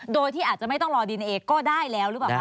โดยที่อาจจะไม่ต้องรอดีเอนเอก็ได้แล้วหรือเปล่าคะ